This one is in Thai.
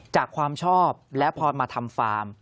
ความชอบและพอมาทำฟาร์ม